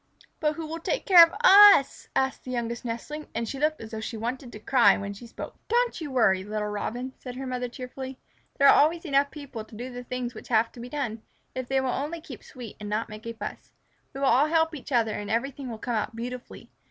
"But who will take care of us?" asked the Youngest Nestling, and she looked as though she wanted to cry when she spoke. "Don't you worry, little Robin," said her mother cheerfully. "There are always enough people to do the things which have to be done, if they will only keep sweet and not make a fuss. We will all help each other and everything will come out beautifully.